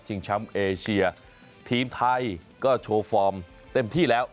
แชมป์เอเชียทีมไทยก็โชว์ฟอร์มเต็มที่แล้ว